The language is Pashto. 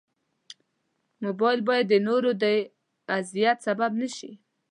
موبایل باید د نورو د اذیت سبب نه شي.